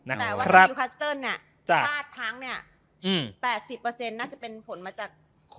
แต่ว่าถ้าคิวคัสเซิลเนี่ยคาดพังเนี่ย๘๐น่าจะเป็นผลมาจาก